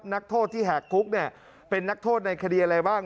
นักโทษที่แหกคุกเนี่ยเป็นนักโทษในคดีอะไรบ้าง